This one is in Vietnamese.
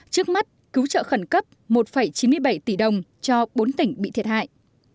trước mắt cứu trợ khẩn cấp một chín mươi bảy tỷ đồng cho bốn tỉnh bị thiệt hại